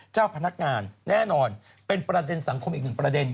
เจ้าพนักงานแน่นอนเป็นประเด็นสังคมอีกหนึ่งประเด็น